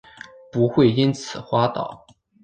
不会因此滑倒